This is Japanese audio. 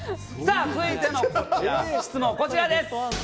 続いての質問はこちらです。